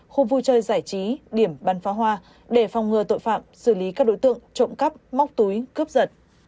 khu vui chơi giải trí điểm bắn phá hoa để phòng ngừa tội phạm xử lý các đối tượng trộm cắp móc túi cướp giật